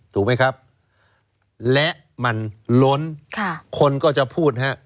ถูกไหมครับและมันล้นค่ะคนก็จะพูดฮะ